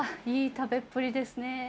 いい食べっぷりですね。